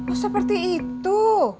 oh seperti itu